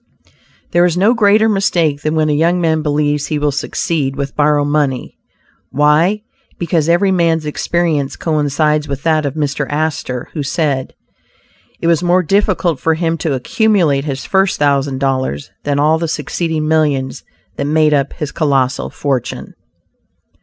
There is no greater mistake than when a young man believes he will succeed with borrowed money. Why? Because every man's experience coincides with that of Mr. Astor, who said, "it was more difficult for him to accumulate his first thousand dollars, than all the succeeding millions that made up his colossal fortune."